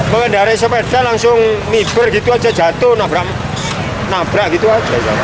pengendarai sepeda langsung miber gitu aja jatuh nabrak gitu aja